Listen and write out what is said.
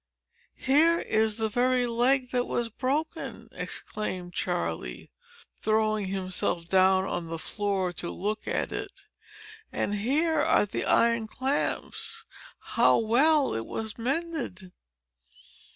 "Here is the very leg that was broken!" exclaimed Charley, throwing himself down on the floor to look at it. "And here are the iron clamps. How well it was mended!"